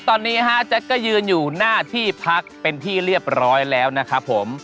ตอนนี้ฮะแจ็คก็ยืนอยู่หน้าที่พักเป็นที่เรียบร้อยแล้วนะครับผม